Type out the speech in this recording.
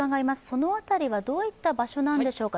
その辺りはどういった場所なんでしょうか。